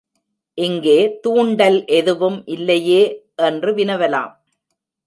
இங்கே தூண்டல் எதுவும் இல்லையே என்று வினவலாம்.